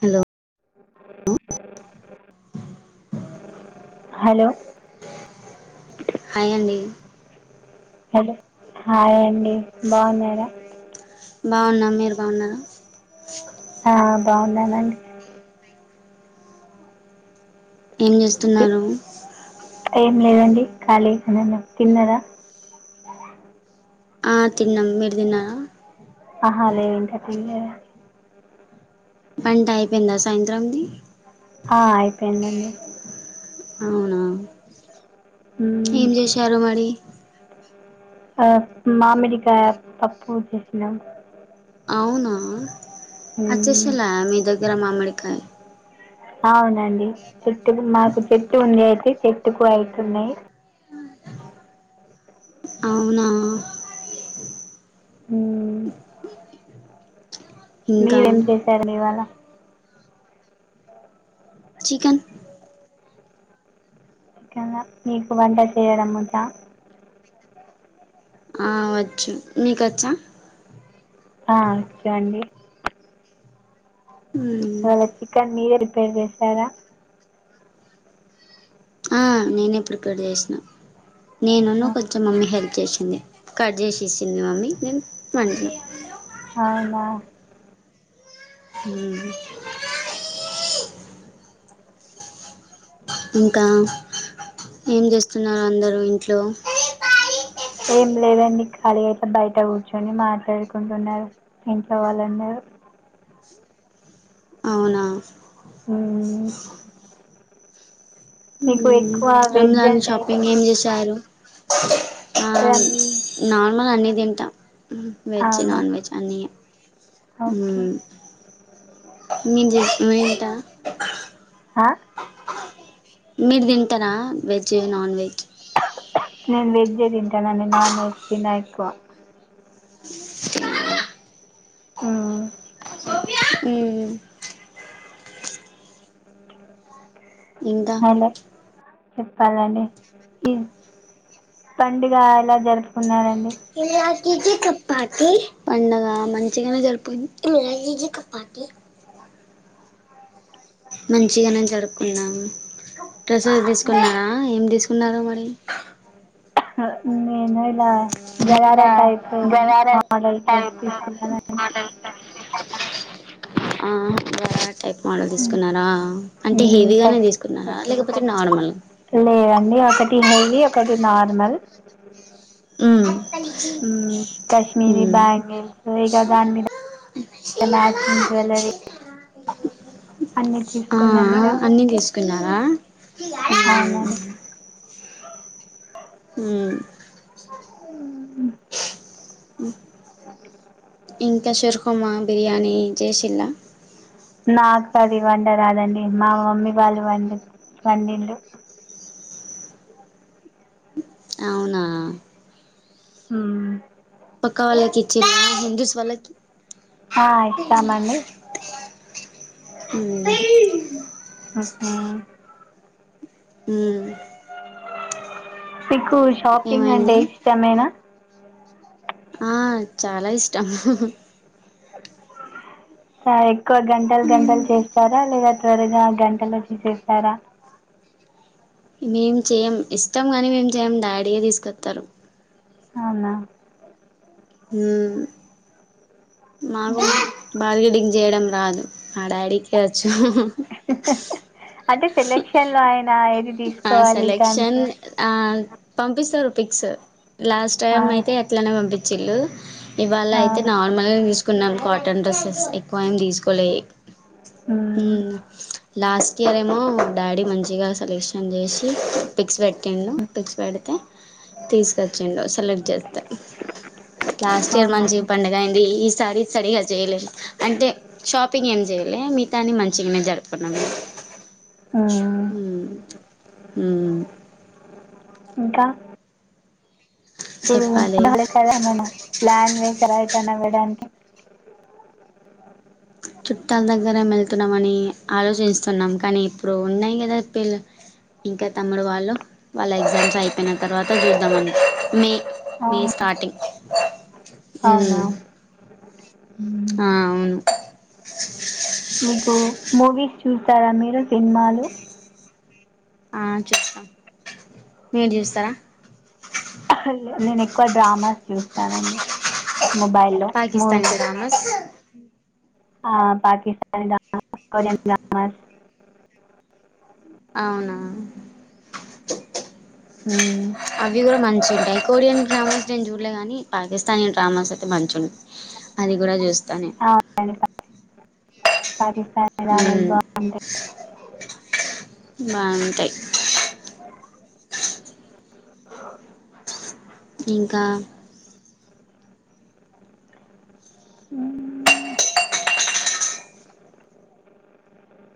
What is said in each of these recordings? Hello hello hi అండి hello hi అ ండి బావున్నారా. బావున్నా. మీరు బావున్నారు? ఆ బావున్నానండి. ఏం తి- చేస్తున్నారు? ఏం లేదండి ఖాళీగనే ఉన్నాం. తిన్నరా? ఆ తిన్నాం. మీరు తిన్నరా? ఆహా లేదు ఇంకా తినలేదా వంట అయిపోయిందా సాయంత్రంది. ఆ అయిపోయిందండి. అవునా. మ్మ్. ఏం చేశారు మరి. ఆ మామిడికాయ పప్పు చేసినం. అవునా. మ్మ్. అచ్చేశిల మీ దగ్గరా మామిడి కాయ అవునండి. చెట్టుకు. మాకు చెట్టు ఉంది, అయితే చెట్టుకు అయితున్నయి. అవునా హ్ ఇంకా మీరేం చేసారండి ఇవాళ. చికెన్ కదా. నీకు వంట చేయడం వచ్చా? అ వచ్చు. మీ కొచ్చా? ఆ వచ్చు అండి. మ్మ్. ఇవాల చికెన్. మీరు ప్రిపేర్ చేశారా. ఆ నేనే ప్రిపేర్ చేసినా. నేనున్ను అవునా. కొంచెం మమ్మీ హెల్ప్ కట్ చేసింది. కట్ చేసి ఇచ్చింది మమ్మీ నేను వండినా. అవునా. హ్మ్ ఇంకా ఏం చేస్తున్నారు అందరు ఇంట్లో. ఏం లేదండి. ఖాళీ అయితే బయట కూర్చొని మాట్లాడుకుంటున్నారు ఇంట్లో వాళ్లందరూ. అవునా. హ్ మీకు మ్మ్. ఎక్కు రంజాన్ షాపింగ్ ఏం జేసారు. ఆ రన్ నార్మల్ అన్ని ఎంత వెజ్ అవునా నాన్ వెజ్ అన్నీ ఓకే హ్ మేం చెప్పిం వింట హా మీరు తింటార వెజ్ నాన్ వెజ్ నేను వెజ్జే తిం కదండి నాన్ వెజ్ తిన్నయి. ఫ హ్ హ్ ఇంకా హలో చెప్పాలండి ఈ పండుగ ఎలా జరుపుకున్నారండి [inaudible] పండగ మంచిగానే జరిగి పోయింది మంచిగానే జరుపుకున్నాం డ్రెసెస్ తీసుకున్నారా. ఏం దిసుకున్నారూ మరి నేనే గా [inaudible] ఆ మోడల్ డ్రెస్ తీసుకున్నానండి బట్ టైప్ మోడల్ మ్మ్ తీసుకున్నారా. అంటే మ్మ్ హెవీగానే కష్ తీసుకున్నారా లేకపో ఒకటి నార్మల్ లేదండి ఒకటి హెవీ ఒకటి నార్మల్ ఉమ్ హ్ కాశ్మీరి ఉమ్ బ్యాంగిల్స్ ఇగా దాని మీద మ్యాచింగ్ జ్యవెల్లరీ ఆ ఇక అన్నీ తీసుకున్నారా హ్ అవునండి హ్ ఉహు [inaudible] ఇంకా చరుకుమ్మా బిర్యానీ జెశిల్లా నాకు పెద్ద వంటరాదండి మా మమ్మీ వాళ్ళు వం వండిర్ అవునా హు పక్క వాళ్ళకి ఇచ్చింన్న హిందుస్ వాల్కి ఆ ఇస్తామండి ఉమ్ హు ఇ కు షాపింగ్ అంటే ఏమైంది ఇష్టమేనా ఆ చాలా ఇష్టం స గంటలు గంటలు చేస్తారా లేద చివరగా గంటలు వచ్చిసేస్తారా మేం చేయం ఇష్టం ని మేం చేయం డాడీ ఏ తీసుకొత్తరు అవునా హు మాకు మ్మ్. బాలీడింగ్ చేయడం రాదు ఆ డాడీకే వచ్చు [inaudible] అంటే సెలెక్షన్ లోయన [inaudible] ఆ సెలెక్షన్ ఆ పంపిస్తారు ఫిక్స్ లాస్ట్ ఆ, టైం అయితే ఎట్లనే పంపించ చిల్ ఇవాళ ఆ, అయితే నార్మల్గా తీసుకున్నాం కాటన్ డ్రెస్సెస్ ఎక్కువ ఏమి తీసుకోలే హు ఉమ్, లాస్ట్ ఇయర్ ఏమో డాడీ మంచిగా సెలెక్ష న్ చేసి పిక్స్ పెట్టిండు ఉమ్, పిక్స్ పెడితే తీసుకొచ్చిండు సెలెక్ట్ చేస్తే లాస్ట్ ఇయర్ అవునా మంచి పండుగ అయింది ఈసారీ సరిగా చేయలేదు అంటే షాపింగ్ ఏం చేయలేదు మిగతా అన్ని మంచిగానే జరుగు ప్పన ఉమ్, హు ఉమ్ ఇంకా ప్పుడు చెప్పాలి రాలే కదా ఏమైనా ప్లాన్ వేసారా కెన వెడానికి చుట్టాల దగ్గర వెళ్తున్నామని ఆలోచిస్తున్నాం కానీ ఇప్పుడు ఉన్నాయి కదా పిల్ ఇంకా తమ్ముడు వాళ్ళు వాళ్ళ ఎగ్జామ్స్ అయిపోయిన తర్వాత చూద్దామని మే మీ స్టార్టింగ్ అవునా హ్మ్ ఉమ్, ఆ అవును మీకు మూవీస్ చూస్తారా మీరు సినిమాలు ఆ చూస్తాం మీర్ చూస్తరా నేను ఎక్కువ డ్రామాస్ చూస్తానండి మొబైల్లో మూవీస్ పాకిస్తానీ ఎ డ్రామాస్ ఆ పాకిస్తాన్ ఇన్ దా వాస్కోడిన్ గామాస్ అవునా అవి కూడా మంచి ఉంటాయి కోరియన్ డ్రామాస్ నేను చూడలే కానీ పాకిస్తానే డ్రామాస్ మంచు అది కూడా చూస్తా నే అవునండి పా- పాకిస్తానీ డ్రామాస్ హ్మ్ బాగుంటాయి బావుంటాయి [inaudible] ఇంకా హా......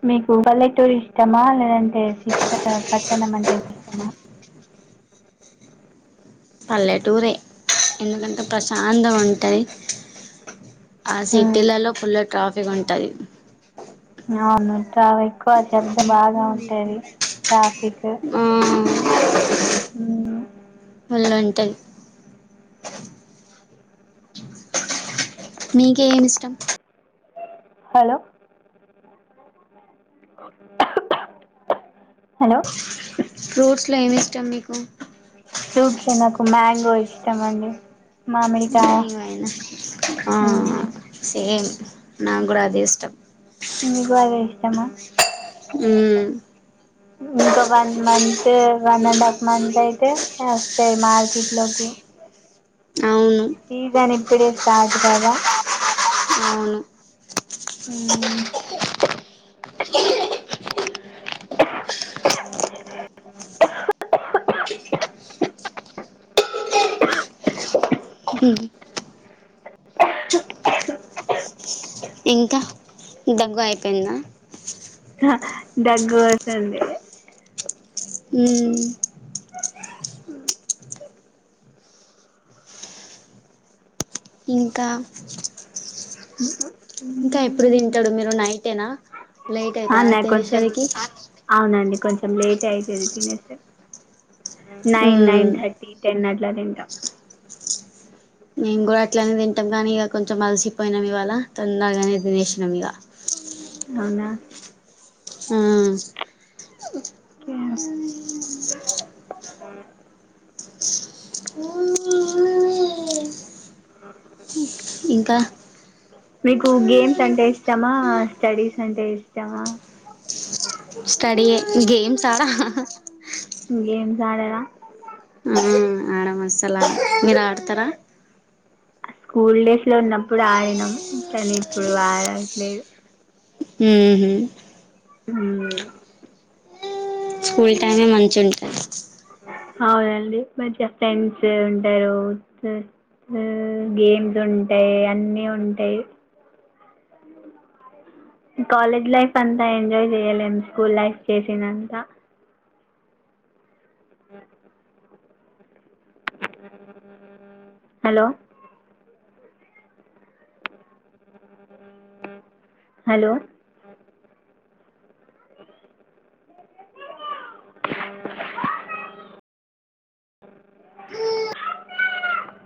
మీకు పల్లెటూరు ఇష్టమా లేదంటే సిత్త పట్టణం అంటే ఇష్టమా పల్లెటూరే ఎందుకంటే ప్రశాంతంగా ఉంటది ఆ మ్మ్. సిటీలలో ఫుల్లు ట్రాఫిక్ ఉంటది అవును చాలా ఎక్కువ శబ్దం బాగా ఉంటేది చ ఆ హ్ మ్ వళ్ళు ఉంటది మీకీ ఏం ఇష్టం హలో [inaudible] హలో ఫ్రూట్స్లో ఏమి ఇష్టం మీకు ఫ్రూట్స్ లో నాకు మంగో ఇష్టం అండి మామిడికాయ ఏమైనా ఆ మ్మ్. సేమ్ నా గూడ అదే ఇష్టం ఏమో ఊ ఇంకా one month one and half month అయితే వస్తాయి మార్కెట్ లోకి అవును సీజనిన్ ఇప్పుడు స్టార్ట్ కదా అవును ఊ [unintelligible] ఇంకా దగ్గు అయిపోయిందా అ దగ్గు వస్తుంది ఊ ఇంకా ఇంకా ఎప్పుడు తింటారు మీరు నైటేనా నైట్ అయితద అన్న తినే కొంచెం సరికి అవునండి కొంచెం లేట్ అయితది తినేస్తే నైన్ నైన్ మ్మ్ థర్టీ టెన్ అట్ దనింట మేము కూడా అట్లనే తింటాం కాని ఇగ కొంచెం అలిసిపోయినాం ఇవాళ తొందరగానే తినేసినాం ఇగ అవున ఆ [unintelligible] ఓకే ఆ [inaudible] ఇంకా మీకు గేమ్స్ అంటే ఇష్టమా స్టడీస్ అంటే ఇష్టమా సా [unintelligible] గేమ్స్ ఆడార ఉ ఆడం అసల్ ఆడం మీరు ఆడతర స్కూల్ డేస్ లో ఉన్నప్పుడు ఆడినాం కానీ ఇప్పుడు ఆడట్లేదు ఉహు మ్ స్కూల్ టైమే మంచి ఉంటాయి అవునండి మంచి ఫ్రెండ్స్ ఉంటారు, ఉ గేమ్స్ ఉంటాయి అన్నీ ఉంటాయి కాలేజ్ లైఫ్ అంతా ఎంజాయ్ చేయలేం స్కూల్ లైఫ్ చేసినంత అ [inaudible] హలో హలో పోతది [unintelligible] అమ్మే [unintelligible]